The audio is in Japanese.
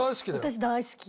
私大好き。